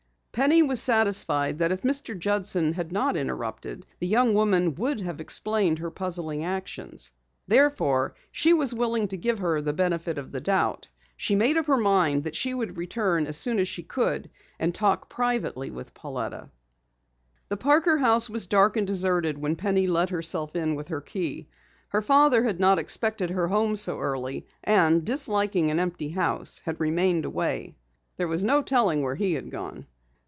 Penny was satisfied that if Mr. Judson had not interrupted, the young woman would have explained her puzzling actions. Therefore, she was willing to give her the benefit of the doubt. She made up her mind that she would return as soon as she could to talk privately with Pauletta. The Parker house was dark and deserted when Penny let herself in with a key. Her father had not expected her home so early and, disliking an empty house, had remained away. There was no telling where he had gone.